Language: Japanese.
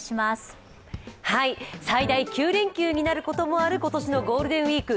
最大９連休になることもある、今年のゴールデンウィーク。